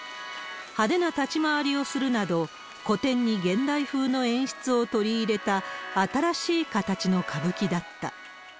派手な立ち回りをするなど、古典に現代風の演出を取り入れた、新しい形の歌舞伎だった。